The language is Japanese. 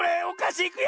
おかしい！